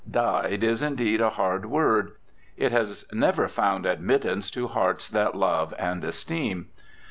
"Died" is indeed a hard word. It has never found admittance to hearts that love and esteem.